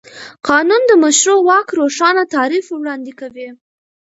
قانون د مشروع واک روښانه تعریف وړاندې کوي.